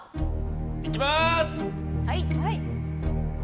いきます！